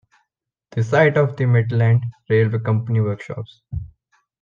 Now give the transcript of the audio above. The site of the Midland Railway Company Workshops.